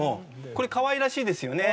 これかわいらしいですよね。